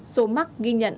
số mắc ghi nhận